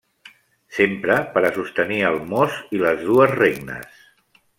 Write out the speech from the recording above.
S'empra per a sostenir el mos i les dues regnes.